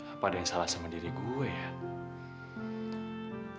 apa ada yang salah sama diri gue ya